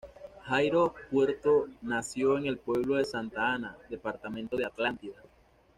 Jairo Puerto nació en el pueblo de Santa Ana, Departamento de Atlántida.